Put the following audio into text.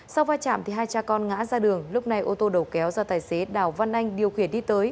sau va chạm hai cha con ngã ra đường lúc này ô tô đầu kéo do tài xế đào văn anh điều khiển đi tới